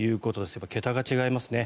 やっぱり桁が違いますね。